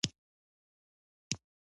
د یو دسترخان خلک یو زړه وي.